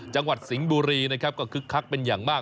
จังหวัดสิงห์บุรีนะครับก็คึกคักเป็นอย่างมาก